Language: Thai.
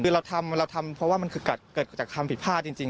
คือเราทำเพราะว่ามันเกิดกับธนปิดพลาดจริง